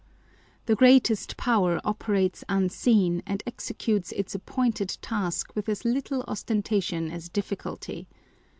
The greatest power operates unseen, and executes its appointed task with as little ostentation as difficulty.